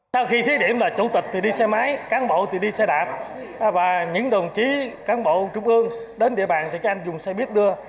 sau khi thí điểm là chủ tịch thì đi xe máy cán bộ thì đi xe đạp và những đồng chí cán bộ trung ương đến địa bàn thì các anh dùng xe buýt đưa